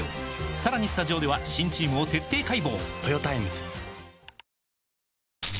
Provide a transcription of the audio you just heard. さらにスタジオでは新チームを徹底解剖！